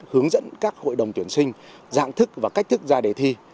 hướng dẫn các hội đồng tuyển sinh dạng thức và cách thức ra đề thi